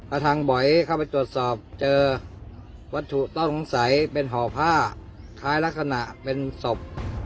ทางบอยเข้าไปตรวจสอบเจอวัตถุต้องสงสัยเป็นห่อผ้าคล้ายลักษณะเป็นศพ